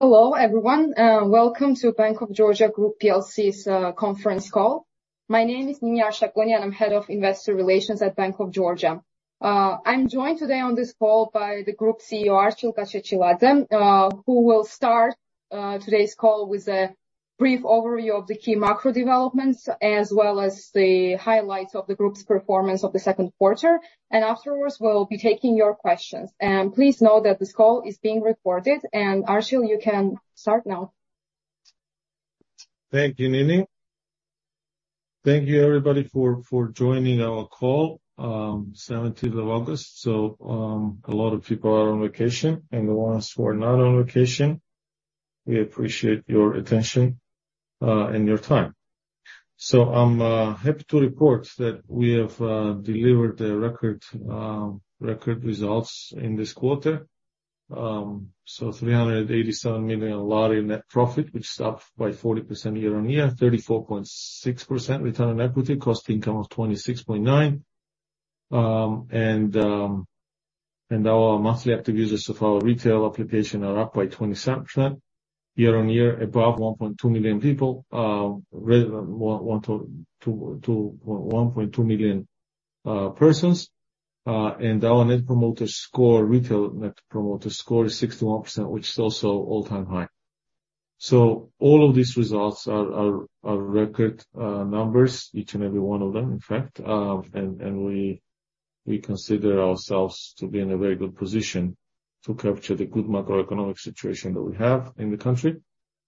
Hello, everyone. Welcome to Bank of Georgia Group PLC's conference call. My name is Nini Arshakuni, and I'm Head of Investor Relations at Bank of Georgia. I'm joined today on this call by the Group CEO, Archil Gachechiladze, who will start today's call with a brief overview of the key macro developments, as well as the highlights of the group's performance of the second quarter. Afterwards, we'll be taking your questions. Please note that this call is being recorded, and Archil, you can start now. Thank you, Nini. Thank you, everybody, for, for joining our call, 17th of August. A lot of people are on vacation, and the ones who are not on vacation, we appreciate your attention, and your time. I'm happy to report that we have delivered a record, record results in this quarter. GEL 387 million Lari in net profit, which is up by 40% year-on-year, 34.6% return on equity, cost-to-income ratio of 26.9. Our monthly active users of our retail application are up by 27% year-on-year, above 1.2 million people, 1 to 1.2 million persons. Our Net Promoter Score, retail Net Promoter Score, is 61, which is also all-time high. All of these results are, are, are record numbers, each and every one of them, in fact, and we consider ourselves to be in a very good position to capture the good macroeconomic situation that we have in the country,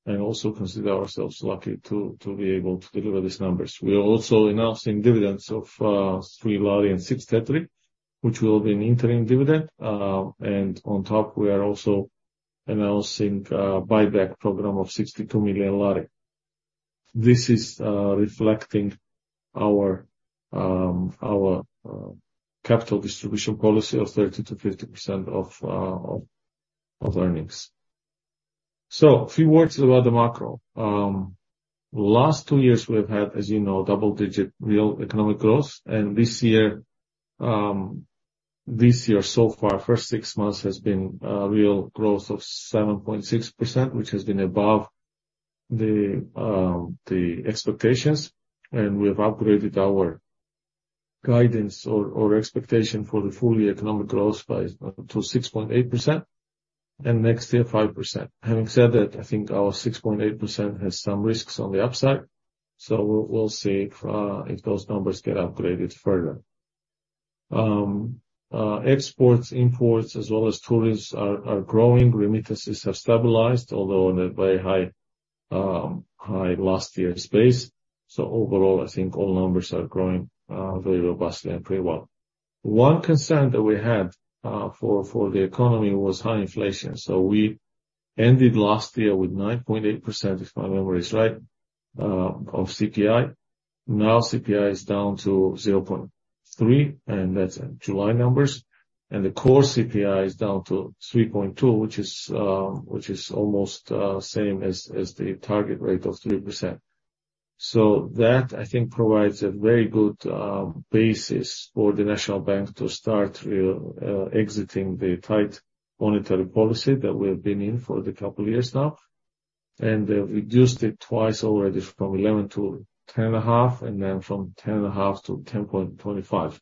and also consider ourselves lucky to be able to deliver these numbers. We are also announcing dividends of 3.06 Lari, which will be an interim dividend. On top, we are also announcing a buyback program of 62 million Lari. This is reflecting our capital distribution policy of 30%-50% of earnings. A few words about the macro. Last two years, we have had, as you know, double-digit real economic growth, and this year, so far, first six months has been a real growth of 7.6%, which has been above the expectations, and we have upgraded our guidance or, or expectation for the full year economic growth by to 6.8%, and next year, 5%. Having said that, I think our 6.8% has some risks on the upside, so we'll, we'll see if those numbers get upgraded further. Exports, imports, as well as tourists are, are growing. Remittances have stabilized, although on a very high last year space. Overall, I think all numbers are growing very robustly and pretty well. One concern that we had for the economy was high inflation. We ended last year with 9.8%, if my memory is right, of CPI. CPI is down to 0.3, and that's in July numbers, and the core CPI is down to 3.2, which is almost same as the target rate of 3%. That, I think, provides a very good basis for the National Bank to start real exiting the tight monetary policy that we have been in for the couple of years now, and they've reduced it twice already from 11 to 10.5, and then from 10.5-10.25.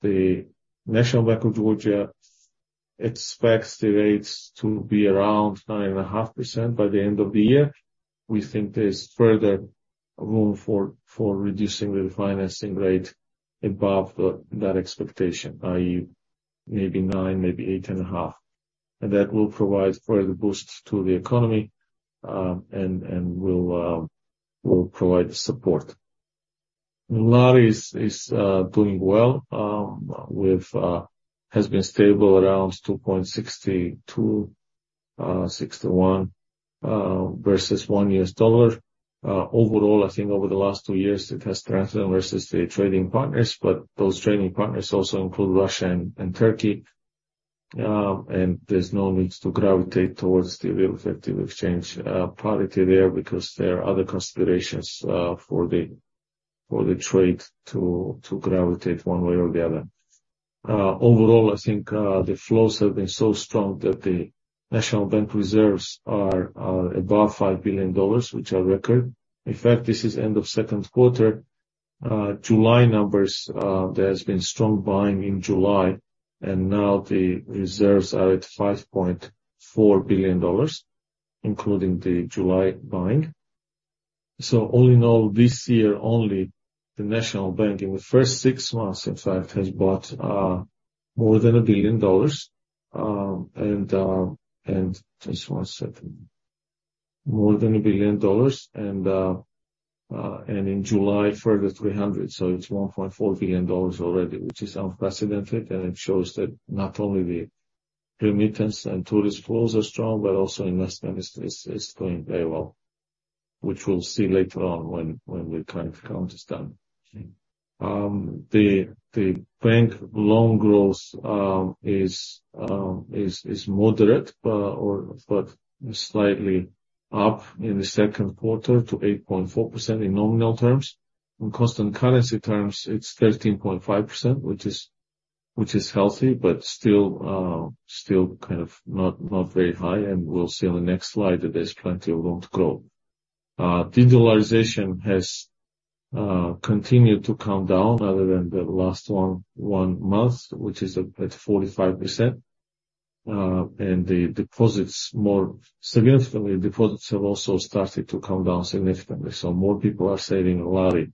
The National Bank of Georgia expects the rates to be around 9.5% by the end of the year. We think there's further room for, for reducing the refinancing rate above the, that expectation, i.e., maybe nine, maybe 8.5. That will provide further boosts to the economy, and, and will provide support. Lari is doing well, has been stable around 2.62, 61, versus 1 US dollar. Overall, I think over the last two years, it has strengthened versus the trading partners, those trading partners also include Russia and Turkey, and there's no need to gravitate towards the real effective exchange parity there, because there are other considerations for the, for the trade to, to gravitate one way or the other. Overall, I think the flows have been so strong that the National Bank reserves are above $5 billion, which are record. In fact, this is end of second quarter. July numbers, there has been strong buying in July, and now the reserves are at $5.4 billion, including the July buying. All in all, this year only, the National Bank of Georgia, in the first six months, in fact, has bought more than $1 billion, and just one second. More than $1 billion, and in July, further $300 million, so it's $1.4 billion already, which is unprecedented, and it shows that not only the remittance and tourist flows are strong, but also investment is, is, is doing very well, which we'll see later on when, when the current account is done. The bank loan growth is moderate, but slightly up in the second quarter to 8.4% in nominal terms. In constant currency terms, it's 13.5%, which is healthy, but still kind of not very high, we'll see on the next slide that there's plenty of room to grow. Dollarization has continued to come down other than the last one month, which is at 45%. The deposits more significantly, deposits have also started to come down significantly. More people are saving Lari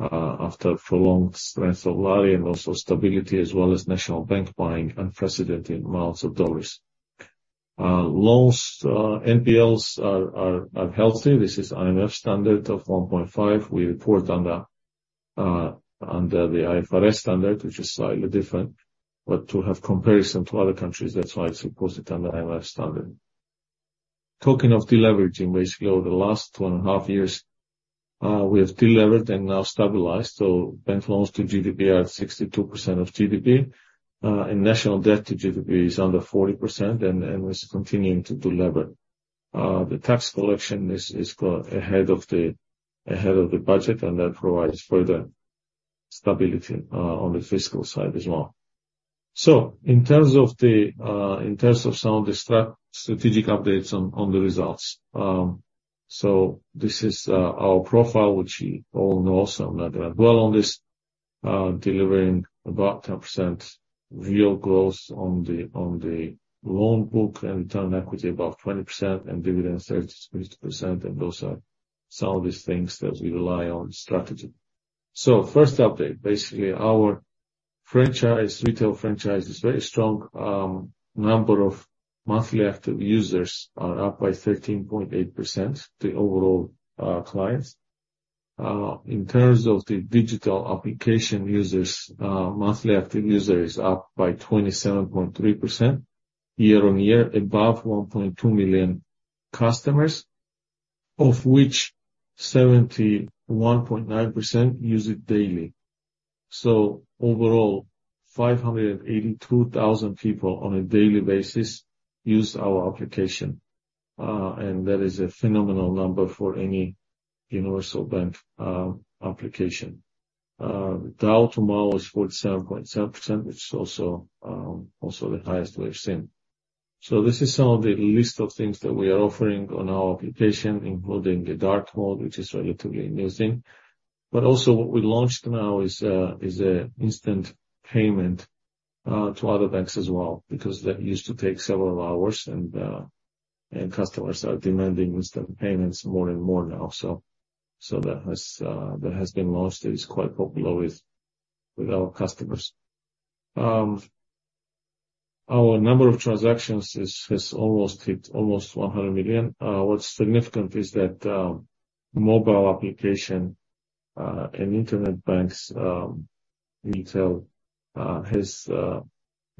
after prolonged strength of Lari and also stability, as well as National Bank buying unprecedented amounts of US dollars. Loans, NPLs are healthy. This is IMF standard of 1.5%. We report under, under the IFRS standard, which is slightly different, but to have comparison to other countries, that's why it's reported under IMF standard. Talking of deleveraging, basically over the last two and a half years, we have delevered and now stabilized, so bank loans to GDP are at 62% of GDP. National debt to GDP is under 40% and is continuing to delever. The tax collection is go ahead of the budget, and that provides further stability on the fiscal side as well. In terms of the in terms of some of the strategic updates on the results. This is our profile, which you all know, I'm not going to dwell on this. Delivering about 10% real growth on the loan book and return on equity, about 20% and dividend 30%-30%. Those are some of the things that we rely on strategy. First update, basically, our franchise, retail franchise is very strong. Number of monthly active users are up by 13.8%, the overall clients. In terms of the digital application users, monthly active users is up by 27.3%, year-on-year above 1.2 million customers, of which 71.9% use it daily. Overall, 582,000 people on a daily basis use our application. That is a phenomenal number for any universal bank application. The DAU to MAU is 47.7%, which is also the highest we've seen. This is some of the list of things that we are offering on our application, including the dark mode, which is relatively a new thing. Also, what we launched now is a instant payment to other banks as well, because that used to take several hours, and customers are demanding instant payments more and more now. So that has that has been launched. It is quite popular with, with our customers. Our number of transactions is, has almost hit almost 100 million. What's significant is that mobile application, and internet banks, retail, has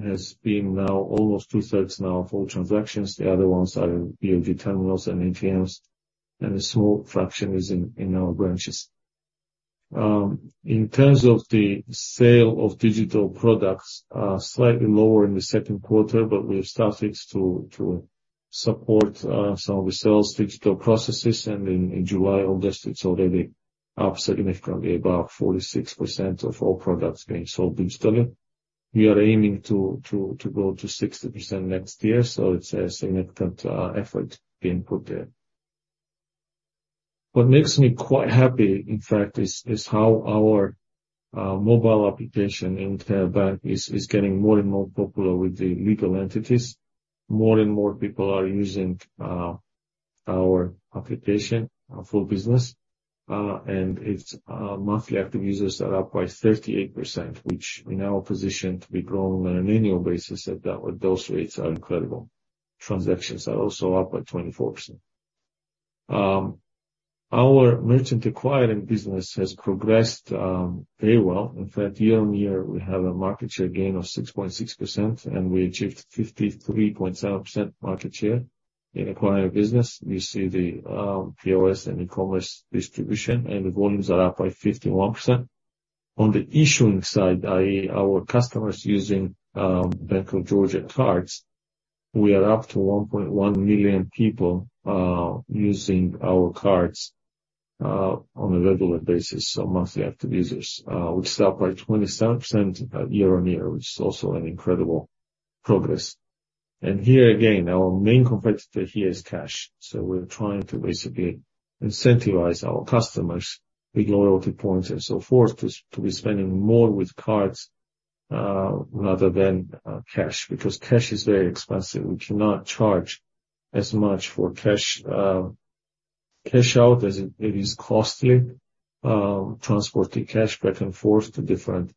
has been now almost two-thirds now of all transactions. The other ones are POS terminals and ATMs, and a small fraction is in, in our branches. In terms of the sale of digital products, slightly lower in the second quarter, but we have started to, to support some of the sales digital processes, and in, in July, August, it's already up significantly, about 46% of all products being sold digitally. We are aiming to, to, to go to 60% next year, so it's a significant effort being put there. What makes me quite happy, in fact, is, is how our mobile application in Business Banking is, is getting more and more popular with the legal entities. More and more people are using our application for business, and its monthly active users are up by 38%, which we now position to be growing on an annual basis at that-- those rates are incredible. Transactions are also up by 24%. Our merchant acquiring business has progressed very well. In fact, year-on-year, we have a market share gain of 6.6%, and we achieved 53.7% market share in acquiring business. You see the POS and e-commerce distribution, and the volumes are up by 51%. On the issuing side, i.e., our customers using Bank of Georgia cards, we are up to 1.1 million people using our cards on a regular basis, so monthly active users, which is up by 27% year-on-year, which is also an incredible progress. Here again, our main competitor here is cash. We're trying to basically incentivize our customers with loyalty points and so forth, to be spending more with cards rather than cash, because cash is very expensive. We cannot charge as much for cash, cash out as it is costly, transporting cash back and forth to different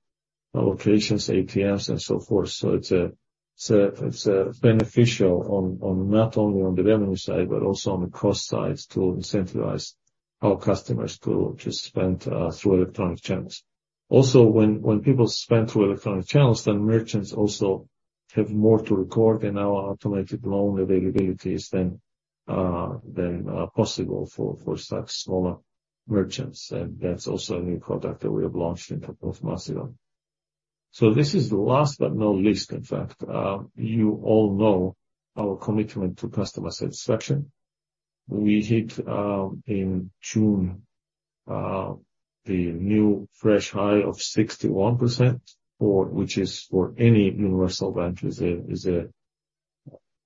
locations, ATMs and so forth. It's beneficial on, on not only on the revenue side, but also on the cost side to incentivize our customers to just spend through electronic channels. When, when people spend through electronic channels, then merchants also have more to record in our automated loan availabilities than, than possible for, for such smaller merchants. That's also a new product that we have launched in the course of last year. This is the last but not least in fact, you all know our commitment to customer satisfaction.... We hit in June the new fresh high of 61%, which is for any universal bank is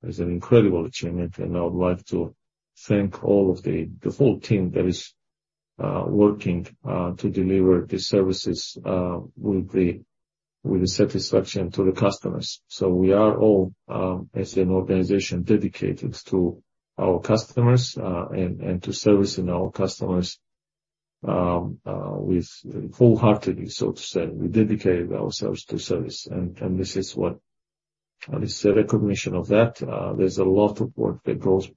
an incredible achievement, and I would like to thank all of the full team that is working to deliver the services with the satisfaction to the customers. We are all, as an organization, dedicated to our customers and to servicing our customers with wholeheartedly, so to say, we dedicated ourselves to service, and this is what is the recognition of that. There's a lot of work that goes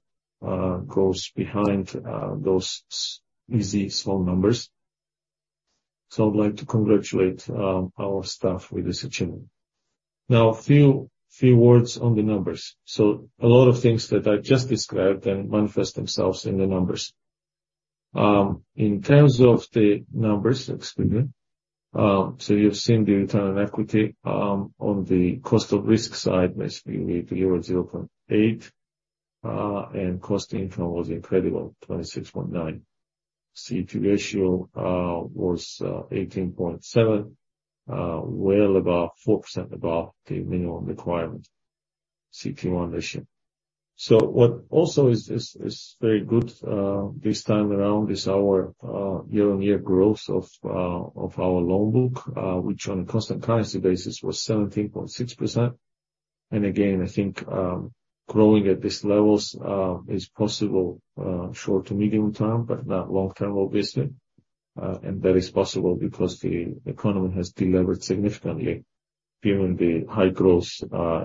behind those easy, small numbers. I'd like to congratulate our staff for this achievement. Now, few words on the numbers. A lot of things that I just described then manifest themselves in the numbers. In terms of the numbers, excuse me, you've seen the return on equity. On the cost of risk side, basically, we were 0.8%, and cost-to-income ratio was incredible, 26.9%. CET1 ratio was 18.7%, well above 4% above the minimum requirement, CET1 ratio. What also is very good this time around is our year-on-year growth of our loan book, which on a constant currency basis was 17.6%. Again, I think growing at this level is possible short to medium term, but not long term, obviously. That is possible because the economy has delivered significantly given the high growth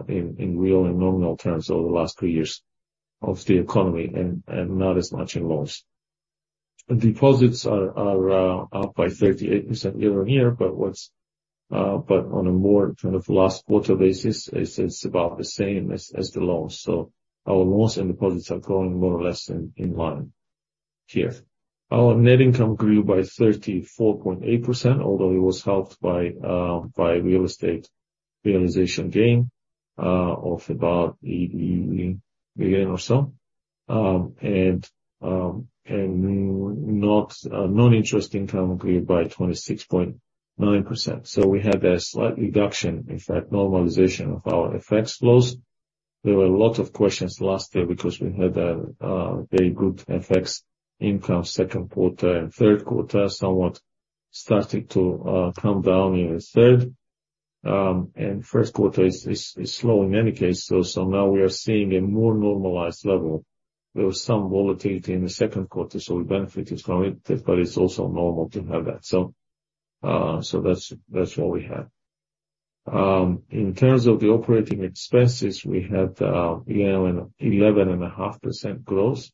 in real and nominal terms over the last 2 years of the economy, and not as much in loans. Deposits are up by 38% year-on-year, but what's, but on a more kind of last quarter basis, it's about the same as the loans. Our loans and deposits are growing more or less in line here. Our net income grew by 34.8%, although it was helped by real estate realization gain of about $80 million or so. Non-interest income grew by 26.9%. We had a slight reduction, in fact, normalization of our FX flows. There were a lot of questions last year because we had a very good FX income, second quarter and third quarter, somewhat starting to come down in the third. First quarter is, is, is slow in any case. Now we are seeing a more normalized level. There was some volatility in the second quarter, so we benefited from it, but it's also normal to have that. That's, that's what we had. In terms of the operating expenses, we had, yeah, 11.5% growth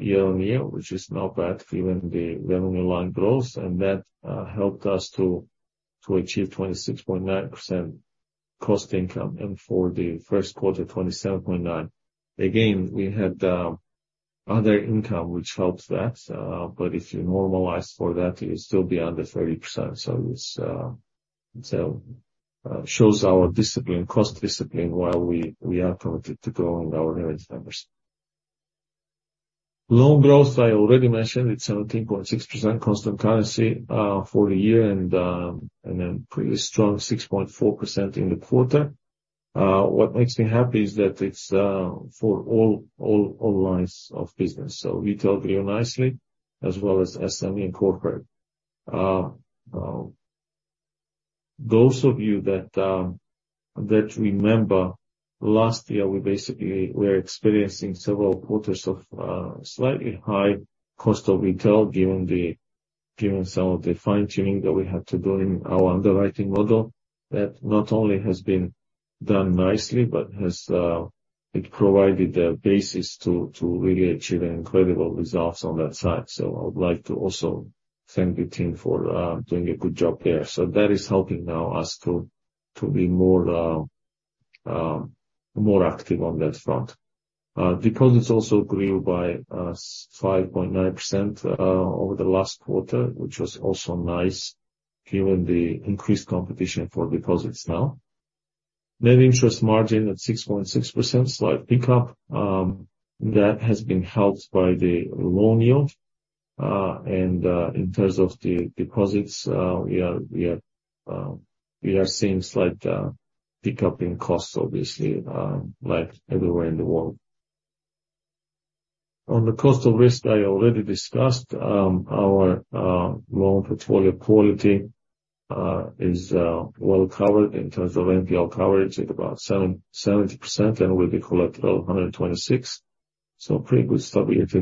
year-over-year, which is not bad given the revenue line growth, and that helped us to achieve 26.9% cost-to-income ratio, and for the first quarter, 27.9%. Again, we had other income which helped that, but if you normalize for that, it is still beyond the 30%. It's so shows our discipline, cost discipline, while we, we are committed to growing our average numbers. Loan growth, I already mentioned, it's 17.6% constant currency for the year and a pretty strong 6.4% in the quarter. What makes me happy is that it's for all, all, all lines of business, so retail very nicely, as well as SME and corporate. Those of you that that remember, last year, we basically were experiencing several quarters of slightly high cost of retail, given the, given some of the fine-tuning that we had to do in our underwriting model, that not only has been done nicely, but has it provided a basis to really achieve incredible results on that side. So I would like to also thank the team for doing a good job there. So that is helping now us to be more more active on that front. Deposits also grew by 5.9% over the last quarter, which was also nice given the increased competition for deposits now. Net interest margin at 6.6%, slight pickup, that has been helped by the loan yield. In terms of the deposits, we are, we are, we are seeing slight, pickup in costs, obviously, like everywhere in the world. On the cost of risk, I already discussed, our loan portfolio quality, is, well covered in terms of NPL coverage at about 70, 70%, and will be collected at 126. Pretty good stuff we enter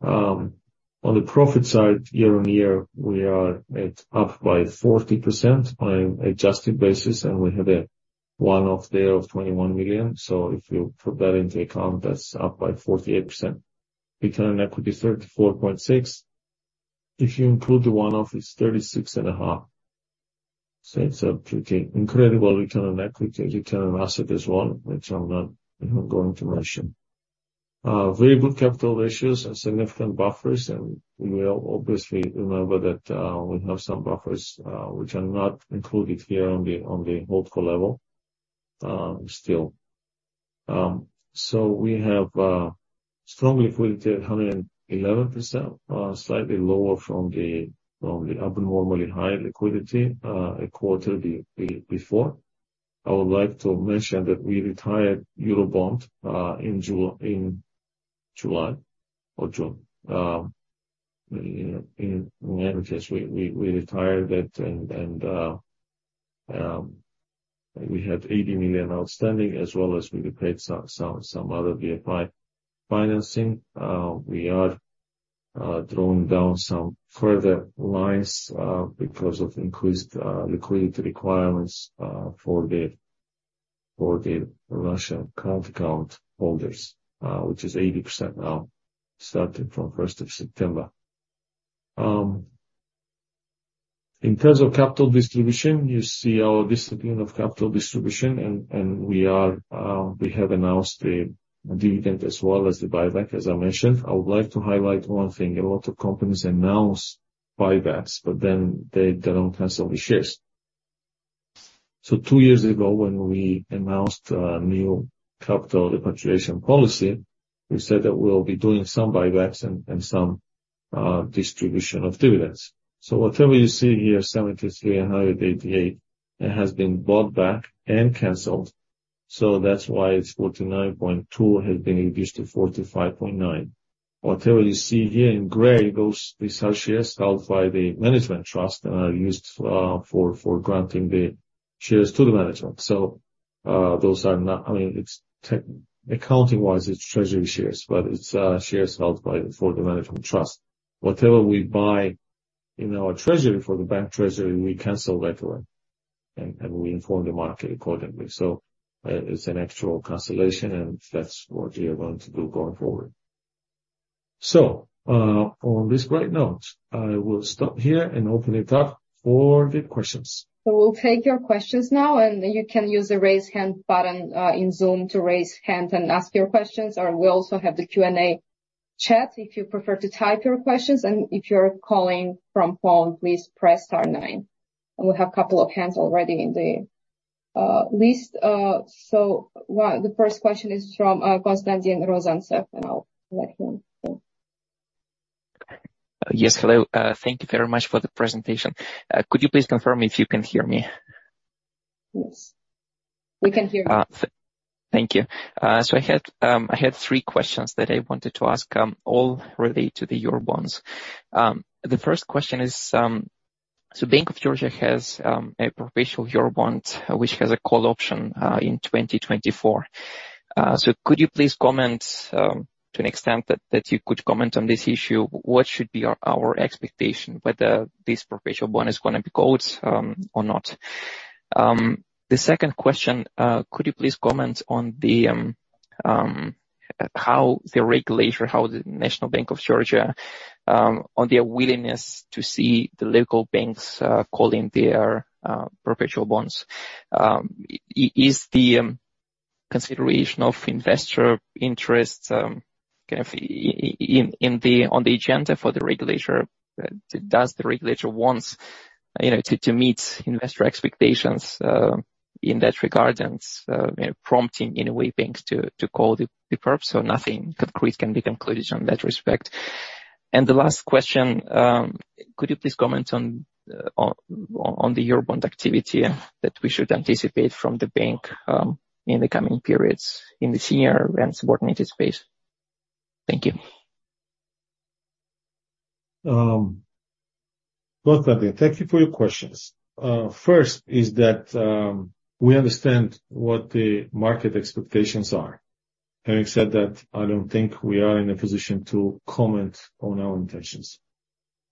there. On the profit side, year-on-year, we are at up by 40% on an adjusted basis, and we have a one-off there of $21 million. If you put that into account, that's up by 48%. Return on equity, 34.6. If you include the one-off, it's 36.5. It's a pretty incredible Return on equity, return on assets as well, which I'm not going to mention. Very good capital ratios and significant buffers. We will obviously remember that we have some buffers which are not included here on the local level still. We have strong liquidity at 111%, slightly lower from the abnormally high liquidity a quarter before. I would like to mention that we retired Eurobond in July or June. In any case, we retired it, and we had $80 million outstanding as well as we paid some other IFI financing. We are drawing down some further lines because of increased liquidity requirements for the Russian card account holders, which is 80% now, starting from 1st of September. In terms of capital distribution, you see our discipline of capital distribution, and we are, we have announced the dividend as well as the buyback as I mentioned. I would like to highlight one thing. A lot of companies announce buybacks, but then they, they don't cancel the shares. Two years ago, when we announced a new capital repatriation policy, we said that we'll be doing some buybacks and some, distribution of dividends. Whatever you see here, 73 and 188, it has been bought back and canceled, so that's why it's 49.2 has been reduced to 45.9. Whatever you see here in gray, those are shares held by the management trust and are used, for, for granting the shares to the management. Those are not-- it's tech... Accounting-wise, it's treasury shares, but it's shares held by for the management trust. Whatever we buy in our treasury for the bank treasury, we cancel right away, and we inform the market accordingly. It's an actual cancellation, and that's what we are going to do going forward. On this great note, I will stop here and open it up for the questions. We'll take your questions now, and you can use the Raise Hand button in Zoom to raise hand and ask your questions. We also have the Q&A chat if you prefer to type your questions, and if you're calling from phone, please press star nine. We have a couple of hands already in the list. The first question is from Konstantin Rozantsev, and I'll let him go. Yes, hello. Thank you very much for the presentation. Could you please confirm if you can hear me? Yes. We can hear you. Thank you. I had, I had three questions that I wanted to ask, all related to the Eurobonds. The first question is, Bank of Georgia has a perpetual Eurobond, which has a call option in 2024. Could you please comment to an extent that, that you could comment on this issue, what should be our, our expectation, whether this perpetual bond is gonna be called or not? The second question, could you please comment on the how the regulator, how the National Bank of Georgia on their willingness to see the local banks calling their perpetual bonds? Is the consideration of investor interests kind of in, in the, on the agenda for the regulator? Does the regulator wants, you know, to, to meet investor expectations, in that regard and, you know, prompting, in a way, banks to, to call the, the perp so nothing concrete can be concluded on that respect. The last question, could you please comment on, on, on the Eurobond activity that we should anticipate from the bank, in the coming periods, in the senior and subordinated space? Thank you. Well, thank you for your questions. First is that, we understand what the market expectations are. Having said that, I don't think we are in a position to comment on our intentions.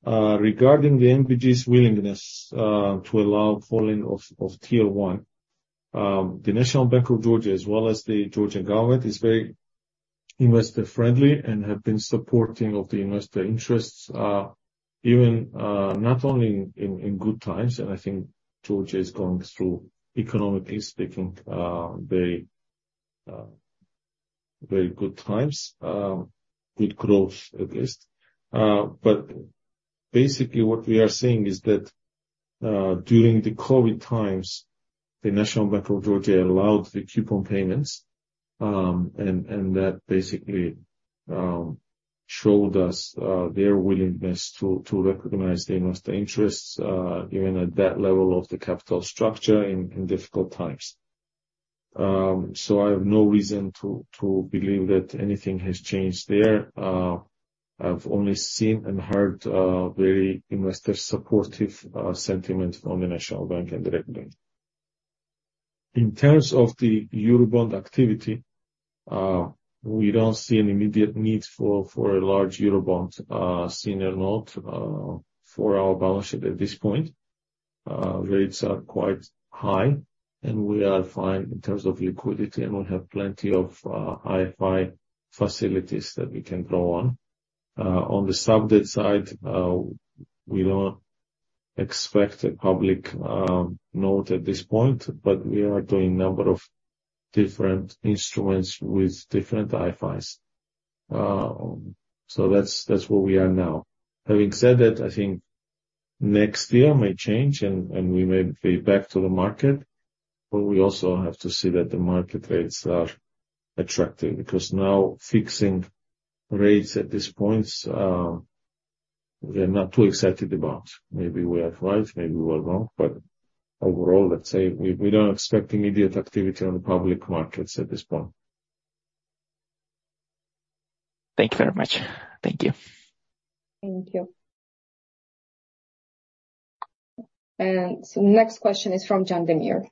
Regarding the NBG's willingness, to allow calling of, of Tier 1, the National Bank of Georgia, as well as the Georgian government, is very investor-friendly and have been supporting of the investor interests, even, not only in, in, in good times, and I think Georgia is going through, economically speaking, very, very good times, good growth, at least. Basically, what we are seeing is that during the COVID times, the National Bank of Georgia allowed the coupon payments, and that basically showed us their willingness to recognize the investor interests even at that level of the capital structure in difficult times. I have no reason to believe that anything has changed there. I've only seen and heard very investor-supportive sentiment on the National Bank and the regulator. In terms of the Eurobond activity, we don't see an immediate need for a large Eurobond senior note for our balance sheet at this point. Rates are quite high. We are fine in terms of liquidity, and we have plenty of IFI facilities that we can draw on. On the sub-debt side, we don't expect a public note at this point, but we are doing a number of different instruments with different IFIs. So that's where we are now. Having said that, I think. Next year may change and we may be back to the market, but we also have to see that the market rates are attractive, because now fixing rates at this point, we're not too excited about. Maybe we are right, maybe we are wrong, but overall, let's say we, we don't expect immediate activity on the public markets at this point. Thank you very much. Thank you. Thank you. Next question is from Can Demir.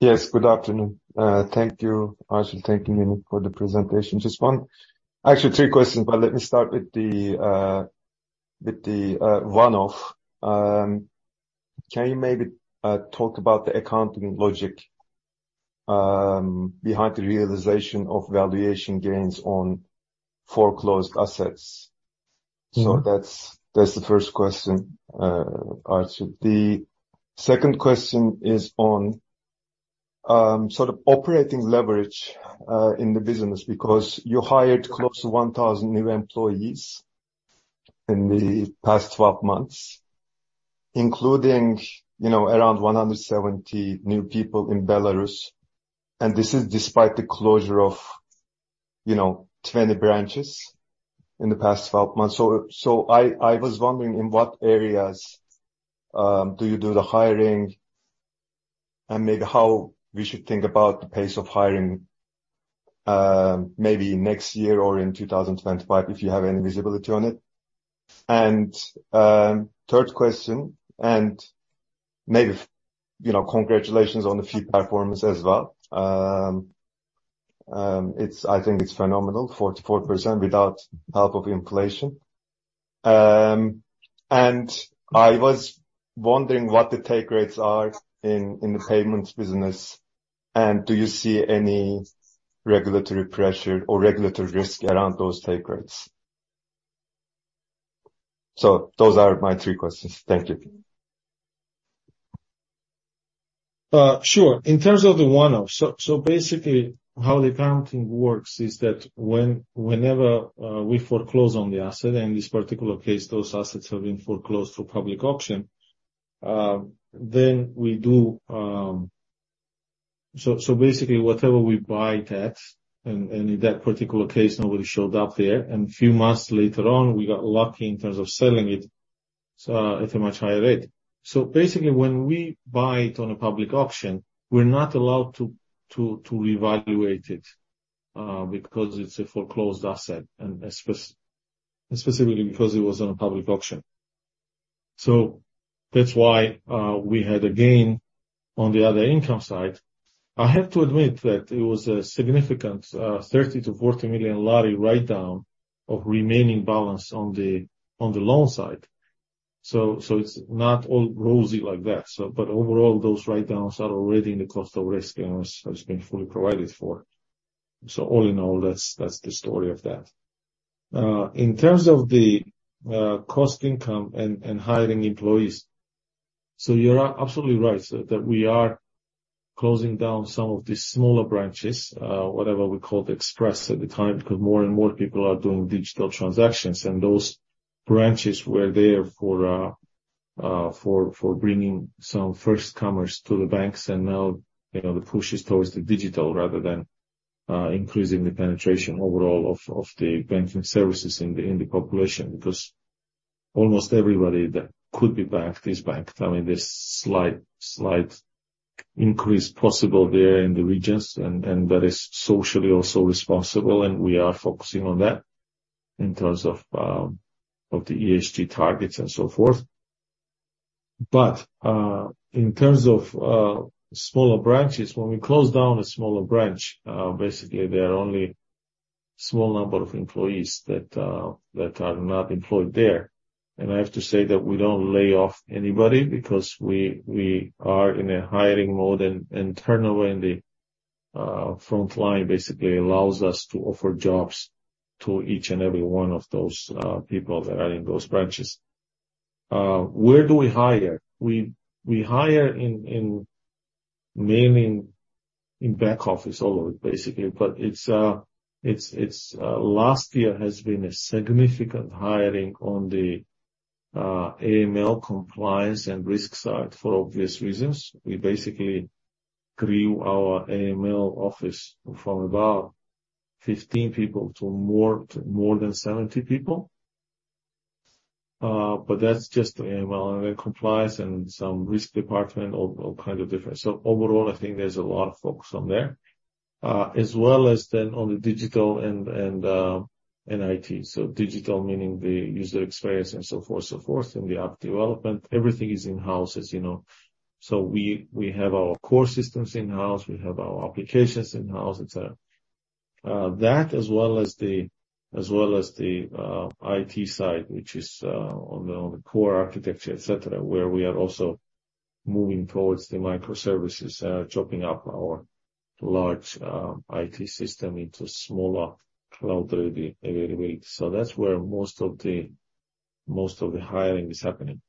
Yes, good afternoon. Thank you, Archie, thank you, for the presentation. Just actually three questions, but let me start with the one-off. Can you maybe talk about the accounting logic behind the realization of valuation gains on foreclosed assets? That's, that's the first question, Archie. The second question is on sort of operating leverage in the business, because you hired close to 1,000 new employees in the past 12 months, including, you know, around 170 new people in Belarus, and this is despite the closure of, you know, 20 branches in the past 12 months. I, I was wondering, in what areas do you do the hiring? Maybe how we should think about the pace of hiring, maybe next year or in 2025, if you have any visibility on it. Third question, and maybe, you know, congratulations on the fee performance as well. It's, I think it's phenomenal, 44% without help of inflation. I was wondering what the take rates are in, in the payments business, and do you see any regulatory pressure or regulatory risk around those take rates? Those are my three questions. Thank you. Sure. In terms of the one-off, so, so basically, how the accounting works is that when, whenever, we foreclose on the asset, in this particular case, those assets have been foreclosed through public auction, then we do... So basically, whatever we buy tax, and, and in that particular case, nobody showed up there, and a few months later on, we got lucky in terms of selling it, so at a much higher rate. Basically, when we buy it on a public auction, we're not allowed to, to, to revaluate it, because it's a foreclosed asset and specifically because it was on a public auction. That's why, we had a gain on the other income side. I have to admit that it was a significant 30 million-40 million Lari write down of remaining balance on the loan side. It's not all rosy like that. Overall, those write downs are already in the cost of risk, and it's been fully provided for. All in all, that's, that's the story of that. In terms of the cost-to-income ratio and hiring employees, you're absolutely right that we are closing down some of these smaller branches, whatever we call the Express at the time, because more and more people are doing digital transactions, and those branches were there for bringing some first comers to the banks, and now, you know, the push is towards the digital rather than increasing the penetration overall of the banking services in the population, because almost everybody that could be banked is banked. I mean, there's slight, slight increase possible there in the regions, and, and that is socially also responsible, and we are focusing on that in terms of the ESG targets and so forth. In terms of smaller branches, when we close down a smaller branch, basically there are only small number of employees that are not employed there. And I have to say that we don't lay off anybody because we, we are in a hiring mode, and, and turnover in the frontline basically allows us to offer jobs to each and every one of those people that are in those branches. Where do we hire? We, we hire in, in mainly in back office all over, basically, but it's, it's, it's... Last year has been a significant hiring on the AML compliance and risk side for obvious reasons. We basically grew our AML office from about 15 people to more, more than 70 people. But that's just AML and compliance and some risk department, all, all kind of different. Overall, I think there's a lot of focus on there, as well as then on the digital and, and, and IT. Digital meaning the user experience and so forth, so forth, in the app development. Everything is in-house, as you know. We, we have our core systems in-house, we have our applications in-house, etc. That as well as the, as well as the IT side, which is on the, on the core architecture, et cetera, where we are also moving towards the microservices, chopping up our large IT system into smaller cloud delivery. That's where most of the, most of the hiring is happening.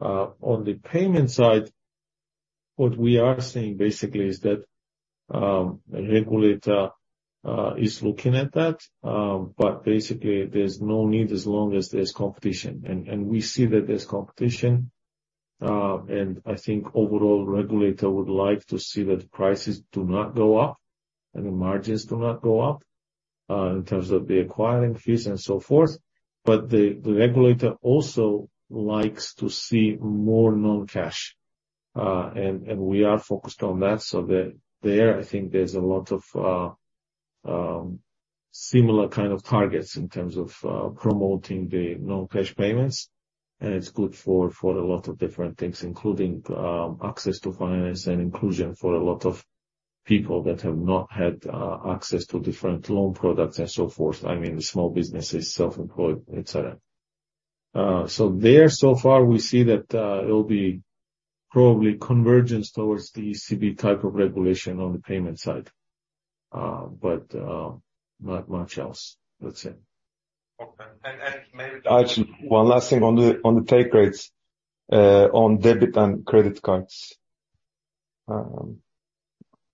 On the payment side, what we are seeing basically is that, the regulator, is looking at that, but basically there's no need as long as there's competition. We see that there's competition, and I think overall, regulator would like to see that prices do not go up and the margins do not go up in terms of the acquiring fees and so forth. The regulator also likes to see more non-cash, and we are focused on that. There, I think there's a lot of similar kind of targets in terms of promoting the non-cash payments, and it's good for a lot of different things, including access to finance and inclusion for a lot of people that have not had access to different loan products and so forth. I mean, the small businesses, self-employed, et cetera. There, so far, we see that, it'll be probably convergence towards the ECB type of regulation on the payment side, but, not much else. That's it. Okay. maybe- Actually, one last thing on the, on the take rates, on debit and credit cards.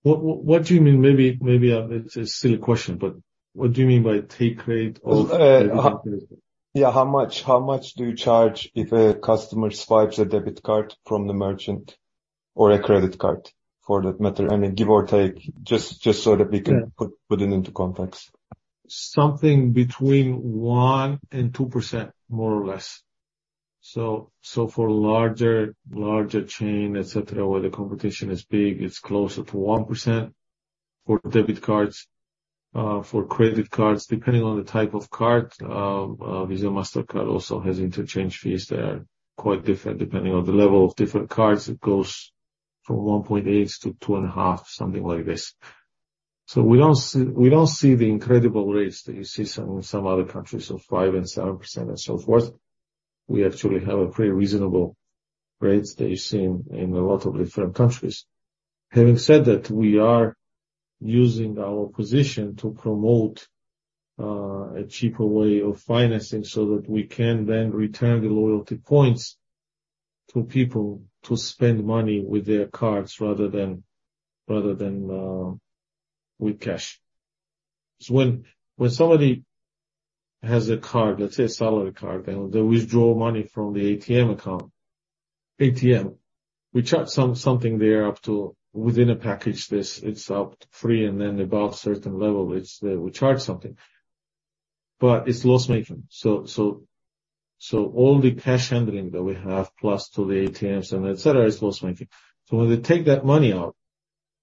What do you mean? Maybe, maybe it's a silly question, but what do you mean by take rate of--? Yeah, how much, how much do you charge if a customer swipes a debit card from the merchant or a credit card, for that matter? I mean, give or take, just so that we can put it into context. Something between 1% and 2%, more or less. For larger, larger chain, et cetera, where the competition is big, it's closer to 1% for debit cards. For credit cards, depending on the type of card, Visa, Mastercard also has interchange fees that are quite different depending on the level of different cards. It goes from 1.8%-2.5%, something like this. We don't see, we don't see the incredible rates that you see some, some other countries of 5% and 7% and so forth. We actually have a pretty reasonable rates than you see in, in a lot of different countries. Having said that, we are using our position to promote a cheaper way of financing so that we can then return the loyalty points to people to spend money with their cards rather than, rather than with cash. When somebody has a card, let's say a salary card, and they withdraw money from the ATM account, ATM, we charge something there up to within a package that's up to free, and then above a certain level, it's, we charge something, but it's loss making. All the cash handling that we have, plus to the ATMs and et cetera, is loss making. When they take that money out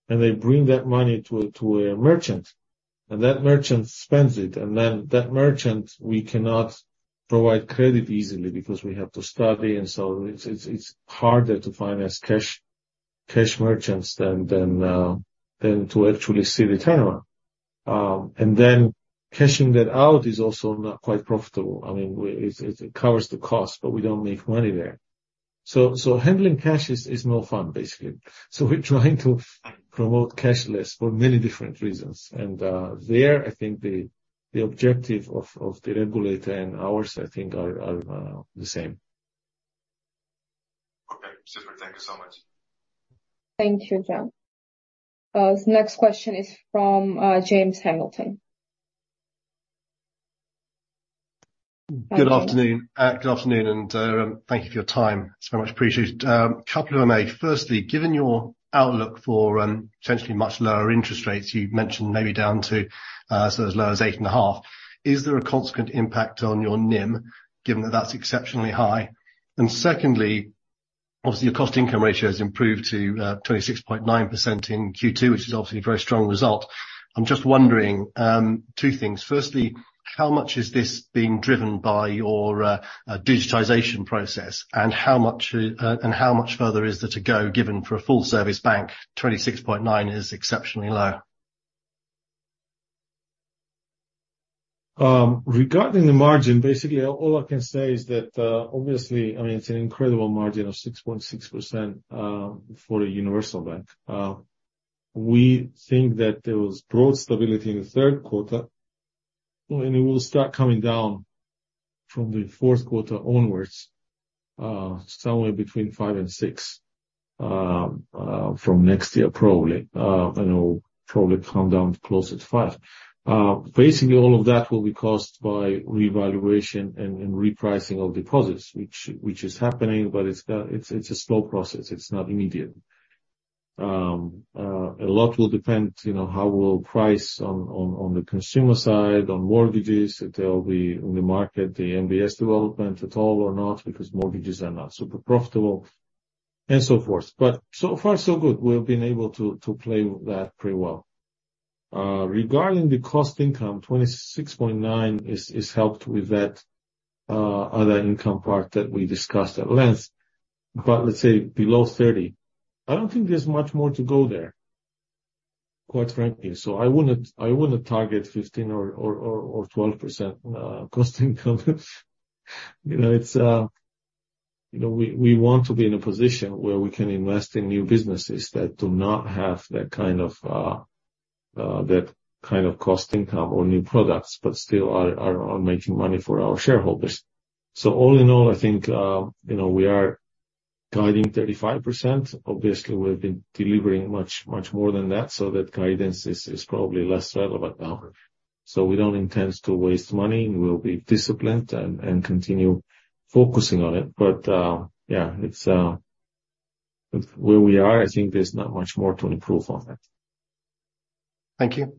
and they bring that money to a, to a merchant, that merchant spends it, then that merchant, we cannot provide credit easily because we have to study, it's, it's, it's harder to finance cash, cash merchants than, than, than to actually see the turnaround. Then cashing that out is also not quite profitable. I mean, we, it, it covers the cost, but we don't make money there. So handling cash is, is no fun, basically. We're trying to promote cashless for many different reasons. There I think the, the objective of, of the regulator and ours, I think, are, are, the same. Okay. Super. Thank you so much. Thank you, John. The next question is from James Hamilton. Good afternoon. Good afternoon, and thank you for your time. It's very much appreciated. A couple of them. Firstly, given your outlook for potentially much lower interest rates, you've mentioned maybe down to so as low as 8.5, is there a consequent impact on your NIM, given that that's exceptionally high? Secondly, obviously, your cost-to-income ratio has improved to 26.9% in Q2, which is obviously a very strong result. I'm just wondering, two things: firstly, how much is this being driven by your digitization process, and how much and how much further is there to go, given for a full service bank, 26.9 is exceptionally low? Regarding the margin, basically, all I can say is that, obviously, it's an incredible margin of 6.6% for a universal bank. We think that there was broad stability in the third quarter, and it will start coming down from the fourth quarter onwards, somewhere between five and six, from next year, probably, and it'll probably come down closer to five. Basically, all of that will be caused by revaluation and, and repricing of deposits, which, which is happening, but it's got... It's, it's a slow process. It's not immediate. A lot will depend, you know, how we'll price on, on, on the consumer side, on mortgages. If there will be in the market, the MBS development at all or not, because mortgages are not super profitable, and so forth. So far, so good. We've been able to, to play that pretty well. Regarding the cost-to-income ratio, 26.9 is helped with that other income part that we discussed at length, but let's say below 30. I don't think there's much more to go there, quite frankly. I wouldn't, I wouldn't target 15 or, or, or, or 12% cost-to-income ratio. You know, it's, you know, we, we want to be in a position where we can invest in new businesses that do not have that kind of that kind of cost-to-income ratio or new products, but still are, are, are making money for our shareholders. All in all, I think, you know, we are guiding 35%. Obviously, we've been delivering much, much more than that, so that guidance is probably less relevant now. We don't intend to waste money, and we'll be disciplined and, and continue focusing on it. Yeah, it's, where we are, I think there's not much more to improve on it. Thank you.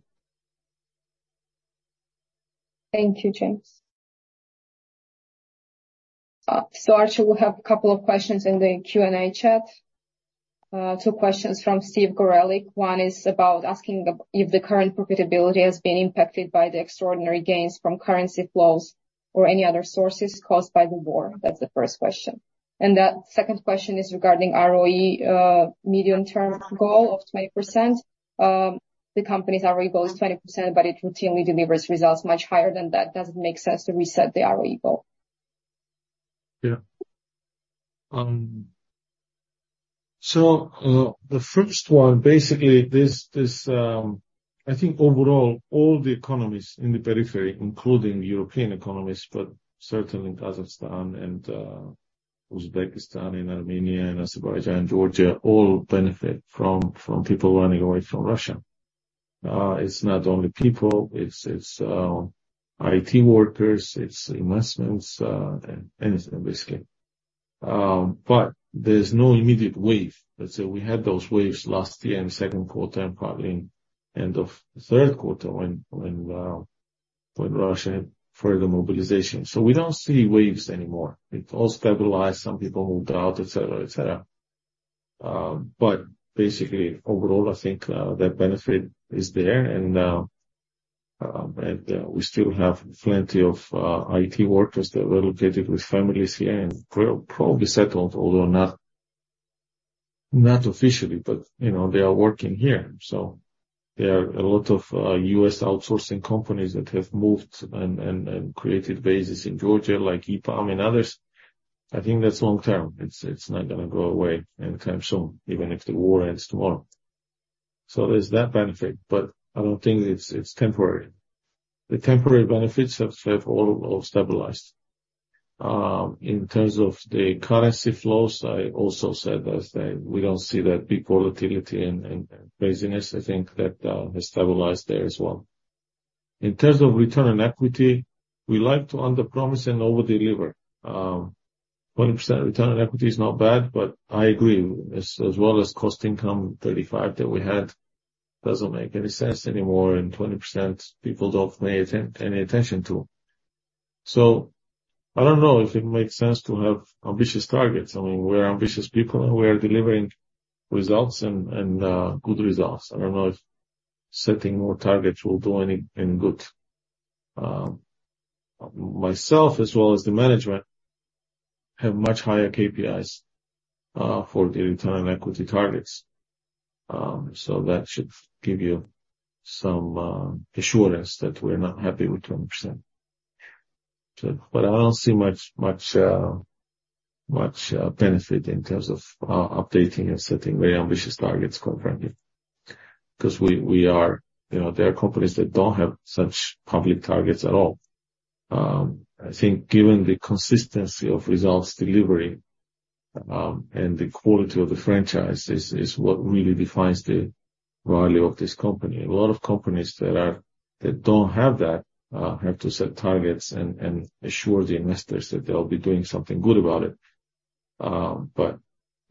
Thank you, James. Archie, we'll have a couple of questions in the Q&A chat. Two questions from Steve Gorelik. One is about asking if the current profitability has been impacted by the extraordinary gains from currency flows or any other sources caused by the war. That's the first question. The second question is regarding ROE, medium-term goal of 20%. The company's ROE goal is 20%, but it routinely delivers results much higher than that. Does it make sense to reset the ROE goal? Yeah. So, the first one, basically, this, this, I think overall, all the economies in the periphery, including European economies, but certainly in Kazakhstan and Uzbekistan, and Armenia, and Azerbaijan, and Georgia, all benefit from, from people running away from Russia. It's not only people, it's, it's IT workers, it's investments, and anything, basically. There's no immediate wave. Let's say we had those waves last year in the second quarter and probably end of third quarter when, when Russia had further mobilization. We don't see waves anymore. It all stabilized. Some people moved out, et cetera, et cetera. Basically, overall, I think that benefit is there, and we still have plenty of IT workers that were located with families here and pro-probably settled, although not, not officially, but, you know, they are working here. There are a lot of US outsourcing companies that have moved and, and, and created bases in Georgia, like EPAM and others. I think that's long-term. It's, it's not gonna go away anytime soon, even if the war ends tomorrow. There's that benefit, but I don't think it's, it's temporary. The temporary benefits have, have all, all stabilized. In terms of the currency flows, I also said that we don't see that big volatility and, and craziness. I think that has stabilized there as well. In terms of return on equity, we like to underpromise and overdeliver. 20% return on equity is not bad, but I agree, as, as well as cost-to-income ratio, 35% that we had, doesn't make any sense anymore, and 20%, people don't pay any attention to. I don't know if it makes sense to have ambitious targets. I mean, we're ambitious people, and we are delivering results and, and good results. I don't know if setting more targets will do any, any good. Myself, as well as the management, have much higher KPIs for the return on equity targets. That should give you some assurance that we're not happy with 10%. I don't see much, much, much benefit in terms of updating and setting very ambitious targets going forward. 'Cause we, we are, you know, there are companies that don't have such public targets at all. I think given the consistency of results delivery, and the quality of the franchise is, is what really defines the value of this company. A lot of companies that are... that don't have that, have to set targets and, and assure the investors that they'll be doing something good about it.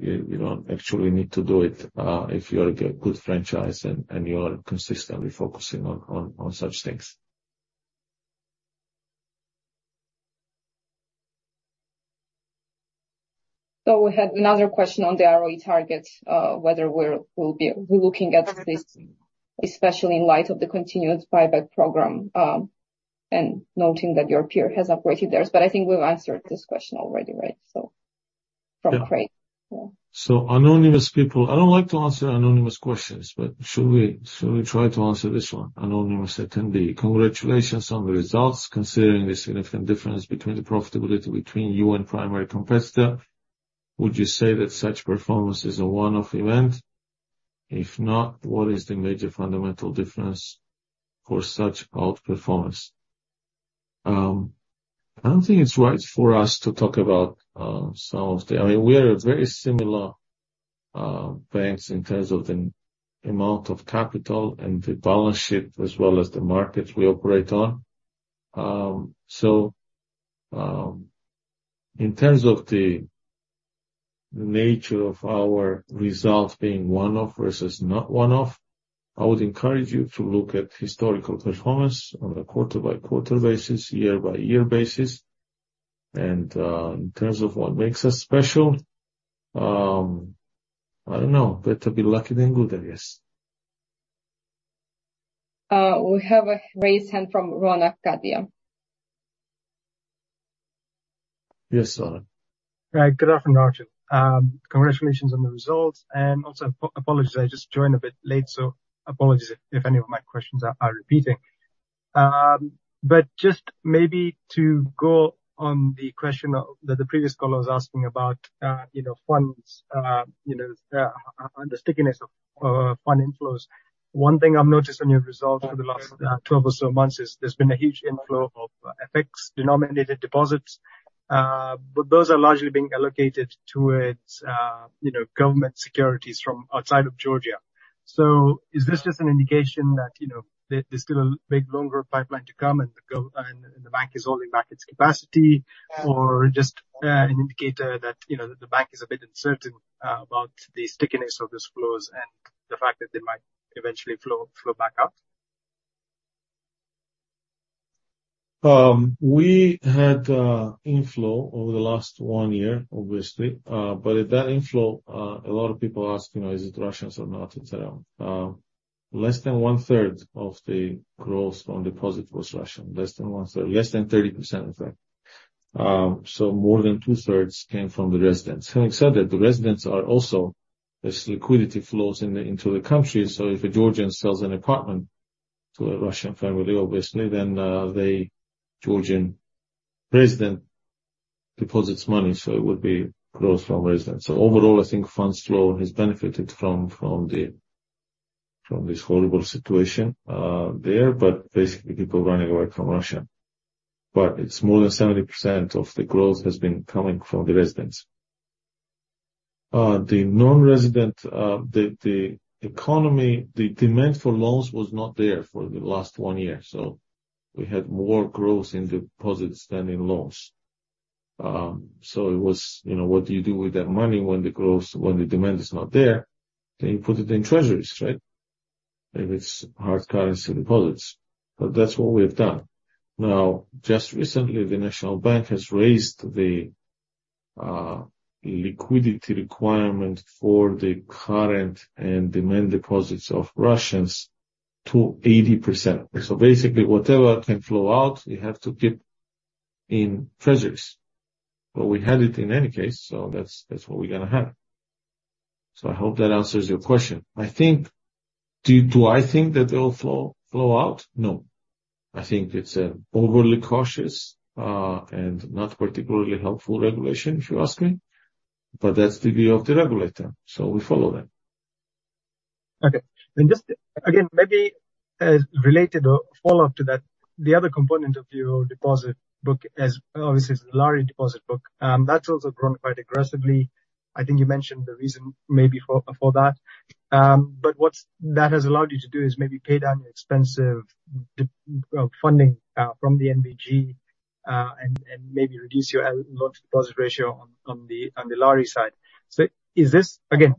You, you don't actually need to do it if you're a good franchise and, and you are consistently focusing on, on, on such things. We had another question on the ROE targets, whether we're, we'll be looking at this, especially in light of the continued buyback program, and noting that your peer has upgraded theirs. I think we've answered this question already, right? From Craig. anonymous people, I don't like to answer anonymous questions, but should we, should we try to answer this one? Anonymous attendee, congratulations on the results. Considering the significant difference between the profitability between you and primary competitor, would you say that such performance is a one-off event? If not, what is the major fundamental difference for such outperformance? I don't think it's right for us to talk about. I mean, we are a very similar banks in terms of the amount of capital and the balance sheet, as well as the markets we operate on. In terms of the nature of our results being one-off versus not one-off, I would encourage you to look at historical performance on a quarter-by-quarter basis, year-by-year basis. In terms of what makes us special, I don't know, better be lucky than good, I guess. We have a raised hand from Ronak Gadhia. Yes, Ronak. Good afternoon, Archie. Congratulations on the results, and also apologies, I just joined a bit late, so apologies if any of my questions are, are repeating.... Just maybe to go on the question of, that the previous caller was asking about, you know, funds, you know, the stickiness of fund inflows. One thing I've noticed on your results for the last 12 or so months is there's been a huge inflow of FX-denominated deposits. Those are largely being allocated towards, you know, government securities from outside of Georgia. Is this just an indication that, you know, there, there's still a big longer pipeline to come, and and the bank is holding back its capacity, or just an indicator that, you know, the bank is a bit uncertain about the stickiness of this flows and the fact that they might eventually flow, flow back out? We had inflow over the last one year, obviously. With that inflow, a lot of people ask, you know, is it Russians or not, et cetera. Less than one-third of the growth on deposit was Russian. Less than one-third. Less than 30%, in fact. More than two-thirds came from the residents. Having said that, the residents are also, as liquidity flows into the country, so if a Georgian sells an apartment to a Russian family, obviously, then the Georgian resident deposits money, so it would be growth from residents. Overall, I think funds flow has benefited from, from the, from this horrible situation, there, but basically people running away from Russia. It's more than 70% of the growth has been coming from the residents. The non-resident, the economy, the demand for loans was not there for the last one year, we had more growth in deposits than in loans. It was, you know, what do you do with that money when the growth, when the demand is not there? You put it in treasuries, right? If it's hard currency deposits. That's what we have done. Just recently, the National Bank has raised the liquidity requirement for the current and demand deposits of Russians to 80%. Basically, whatever can flow out, we have to keep in treasuries. We had it in any case, that's, that's what we're gonna have. I hope that answers your question. Do I think that it'll flow, flow out? No. I think it's overly cautious and not particularly helpful regulation, if you ask me, but that's the view of the regulator, so we follow that. Okay. Just, again, maybe related or a follow-up to that, the other component of your deposit book, as obviously is the Lari deposit book, that's also grown quite aggressively. I think you mentioned the reason maybe for, for that. What that has allowed you to do is maybe pay down your expensive funding from the NBG, and maybe reduce your loan deposit ratio on the Lari side. Is this, again,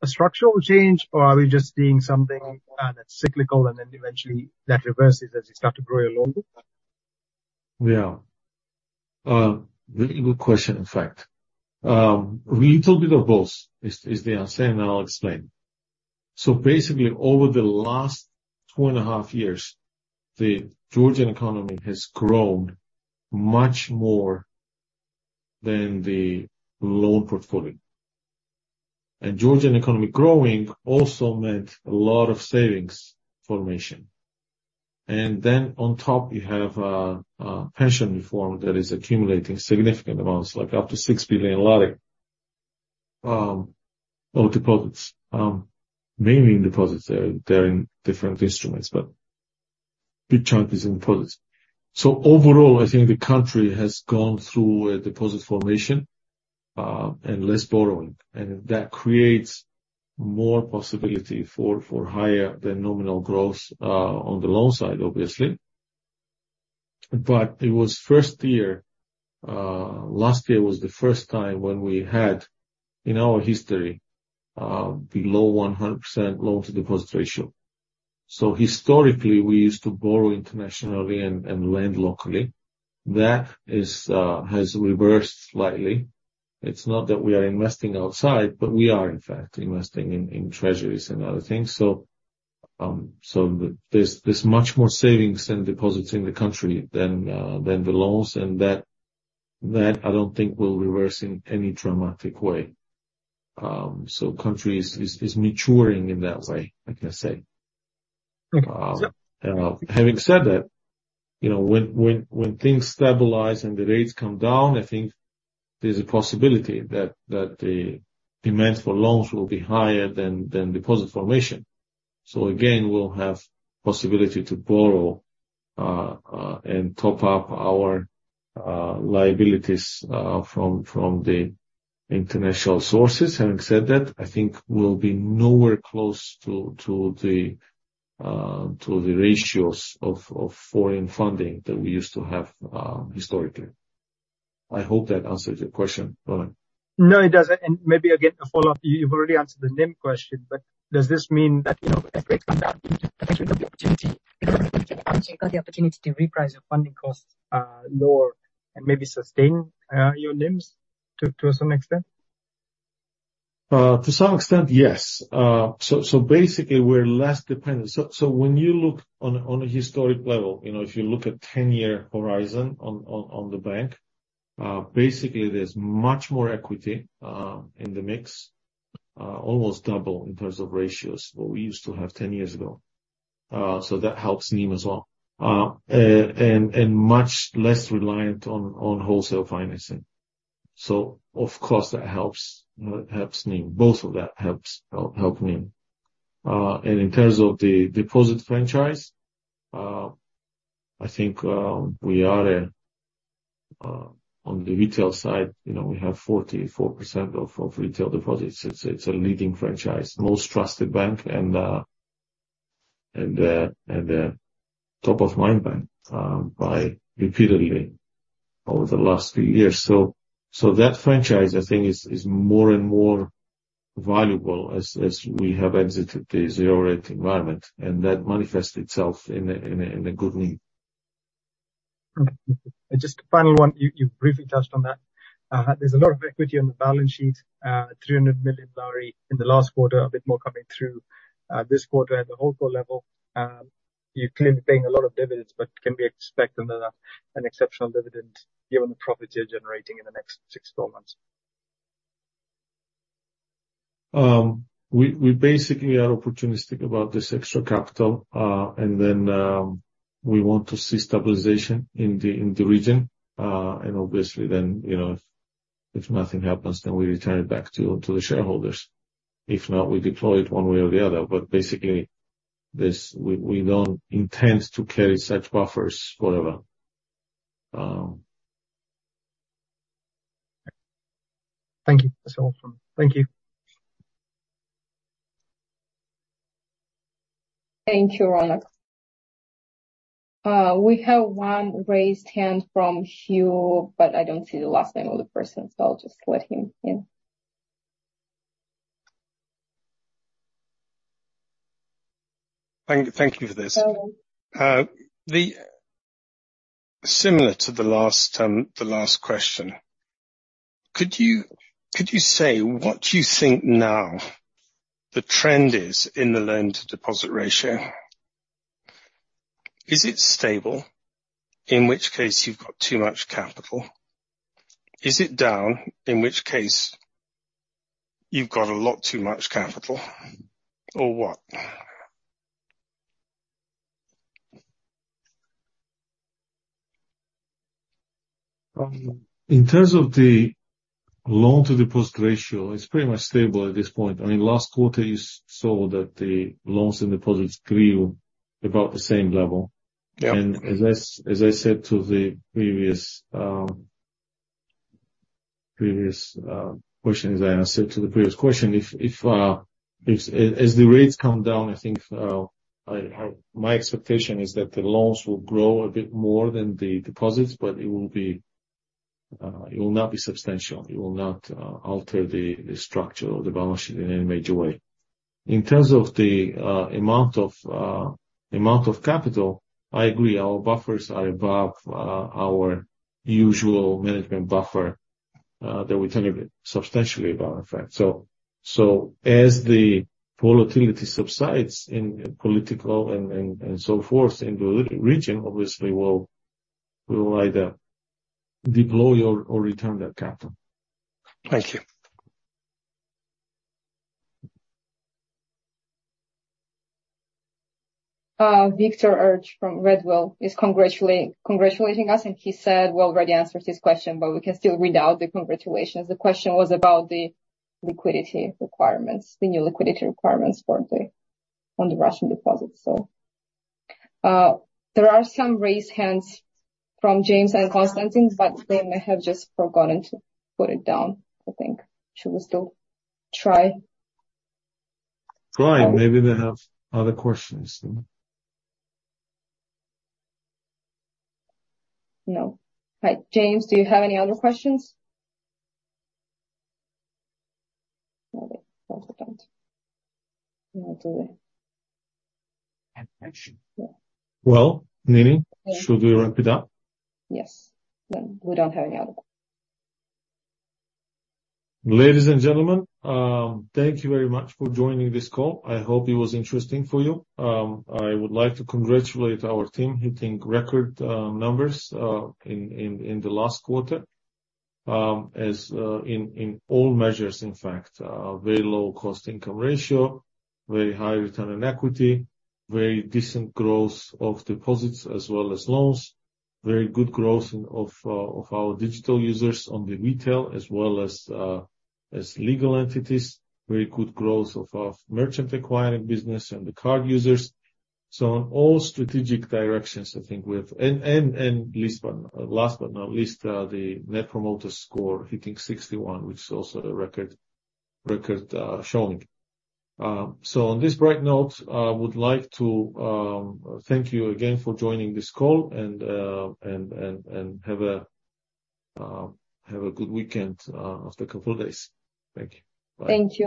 a structural change, or are we just seeing something that's cyclical and then eventually that reverses as you start to grow your loan book? Yeah. Very good question, in fact. A little bit of both is the answer, and I'll explain. Basically, over the last two and a half years, the Georgian economy has grown much more than the loan portfolio. Georgian economy growing also meant a lot of savings formation. Then on top, you have a pension reform that is accumulating significant amounts, like up to Lari 6 billion of deposits. Mainly in deposits. They're in different instruments, but big chunk is in deposits. Overall, I think the country has gone through a deposit formation and less borrowing, and that creates more possibility for higher than nominal growth on the loan side, obviously. It was first year, last year was the first time when we had, in our history, below 100% loan to deposit ratio. Historically, we used to borrow internationally and, and lend locally. That is, has reversed slightly. It's not that we are investing outside, but we are in fact investing in, in treasuries and other things. There's, there's much more savings and deposits in the country than, than the loans, and that, that I don't think will reverse in any dramatic way. Country is, is, is maturing in that way, I can say. Okay. aid that, you know, when, when, when things stabilize and the rates come down, I think there's a possibility that, that the demand for loans will be higher than, than deposit formation. So again, we'll have possibility to borrow and top up our liabilities from the international sources. Having said that, I think we'll be nowhere close to the ratios of foreign funding that we used to have historically. basically there's much more equity in the mix. Almost double in terms of ratios, what we used to have 10 years ago. That helps NIM as well. And much less reliant on, on wholesale financing. Of course, that helps, helps NIM. Both of that helps, help, help NIM. In terms of the deposit franchise, I think, we are on the retail side, you know, we have 44% of retail deposits. It's, it's a leading franchise, most trusted bank, and, and, and, top of mind bank, by repeatedly over the last few years. So that franchise, I think, is, is more and more valuable as, as we have exited the zero rate environment, and that manifests itself in a, in a, in a good NIM. Just a final one, you briefly touched on that. There's a lot of equity on the balance sheet, GEL 300 million in the last quarter, a bit more coming through, this quarter at the whole core level. You're clearly paying a lot of dividends, but can we expect another, an exceptional dividend given the profit you're generating in the next 6, 12 months? We, we basically are opportunistic about this extra capital, and then, we want to see stabilization in the, in the region. Obviously, then, you know, if, if nothing happens, then we return it back to, to the shareholders. If not, we deploy it one way or the other. Basically, this, we, we don't intend to carry such buffers forever. Thank you. That's all. Thank you. Thank you, Ronak. We have one raised hand from Hugh, but I don't see the last name of the person, so I'll just let him in. Thank you for this. You're welcome. Similar to the last, the last question, could you, could you say, what do you think now the trend is in the loan-to-deposit ratio? Is it stable? In which case, you've got too much capital. Is it down? In which case, you've got a lot too much capital, or what? In terms of the loan-to-deposit ratio, it's pretty much stable at this point. I mean, last quarter, you saw that the loans and deposits grew about the same level. Yeah. As I, as I said to the previous, previous question, as I answered to the previous question, if, if, if as, as the rates come down, I think, My expectation is that the loans will grow a bit more than the deposits, but it will be, it will not be substantial. It will not alter the, the structure of the balance sheet in any major way. In terms of the amount of, amount of capital, I agree, our buffers are above our usual management buffer, that we tell you substantially, about in fact. As the volatility subsides in political and, and, and so forth in the region, obviously, we'll, we'll either deploy or, or return that capital. Thank you. Victor from Redwheel is congratulating us, and he said we already answered his question, but we can still read out the congratulations. The question was about the liquidity requirements, the new liquidity requirements for the, on the Russian deposits. There are some raised hands from James and Konstantin, but they may have just forgotten to put it down, I think. Should we still try? Try. Maybe they have other questions. No. Hi, James, do you have any other questions? Okay. No, they don't. No, do they? Well, Nini, should we wrap it up? Yes. Well, we don't have any other. Ladies and gentlemen, thank you very much for joining this call. I hope it was interesting for you. I would like to congratulate our team hitting record numbers in the last quarter, as in all measures, in fact. Very low cost-to-income ratio, very high return on equity, very decent growth of deposits as well as loans, very good growth in of our digital users on the retail, as well as legal entities. Very good growth of our merchant acquiring business and the card users. On all strategic directions, I think we've... Last but not least, the Net Promoter Score hitting 61, which is also a record showing. On this bright note, I would like to thank you again for joining this call and, and, and have a, have a good weekend, after a couple of days. Thank you. Bye. Thank you.